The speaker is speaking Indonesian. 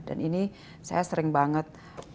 dan ini saya sering banget